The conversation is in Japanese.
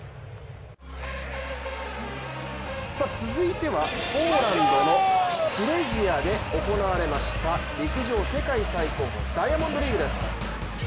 続いてはポーランドのシレジアで行われました陸上世界最高峰ダイヤモンドリーグです。